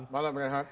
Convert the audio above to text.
selamat malam rehat